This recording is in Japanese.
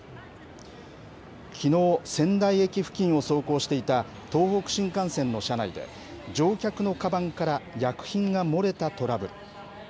きのう、仙台駅付近を走行していた東北新幹線の車内で、乗客のかばんから薬品が漏れたトラブル。